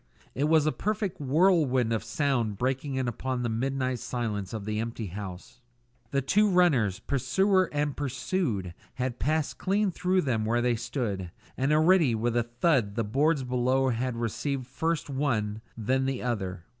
It was a perfect whirlwind of sound breaking in upon the midnight silence of the empty building. The two runners, pursuer and pursued, had passed clean through them where they stood, and already with a thud the boards below had received first one, then the other.